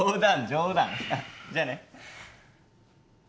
じゃあね。